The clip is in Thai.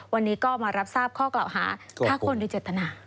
วันนี้ก็มารับทราบข้อกล่าวหาฆ่าคนโดยเจตนา